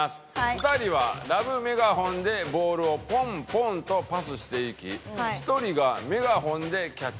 ２人はラブメガホンでボールをポンポンとパスしていき１人がメガホンでキャッチ。